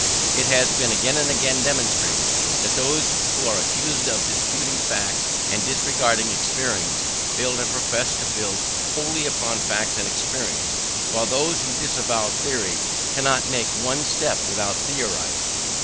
It has been again and again demonstrated, that those who are accused of despising facts and disregarding experience build and profess to build wholly upon facts and experience; while those who disavow theory cannot make one step without theorizing.